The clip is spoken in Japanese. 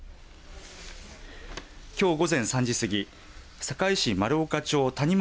きょう午前３時過ぎ坂井市丸岡町谷町